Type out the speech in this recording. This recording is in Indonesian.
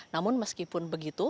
namun meskipun begitu